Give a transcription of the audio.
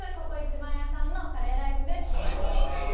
番屋さんのカレーライスです。